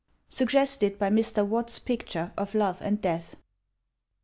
(SUGGESTED BY MR. WATTS'S PICTURE OF LOVE AND DEATH.)